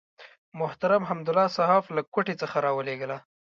محترم حمدالله صحاف له کوټې څخه راولېږله.